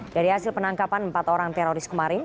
dari hasil penangkapan empat orang teroris kemarin